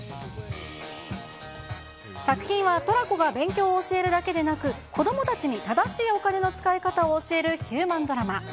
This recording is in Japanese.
作品はトラコが勉強を教えるだけでなく、子どもたちに正しいお金の使い方を教えるヒューマンドラマ。